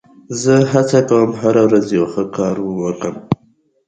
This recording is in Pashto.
زه هڅه کوم، چي هره ورځ یو ښه کار وکم.